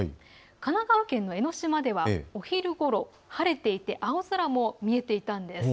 神奈川県の江の島ではお昼ごろ、晴れていて青空も見えていたんです。